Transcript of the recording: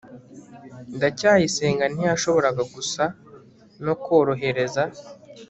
ndacyayisenga ntiyashoboraga gusa no korohereza